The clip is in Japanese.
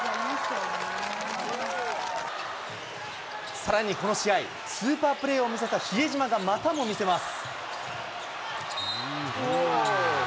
さらにこの試合、スーパープレーを見せた比江島が、またも見せます。